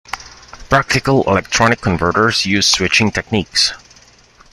Practical electronic converters use switching techniques.